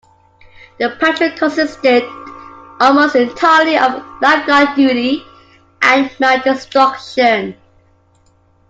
The patrol consisted almost entirely of lifeguard duty and mine destruction.